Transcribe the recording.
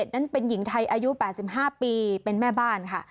นั้นเป็นหญิงไทยอายุ๘๕ปีเป็นแม่บ้านค่ะ